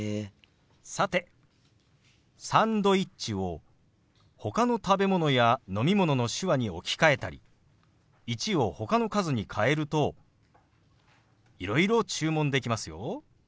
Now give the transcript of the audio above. さて「サンドイッチ」をほかの食べ物や飲み物の手話に置き換えたり「１」をほかの数に変えるといろいろ注文できますよ。